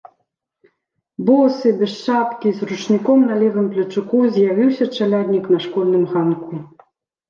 Босы, без шапкі, з ручніком на левым плечуку, з'явіўся чаляднік на школьным ганку.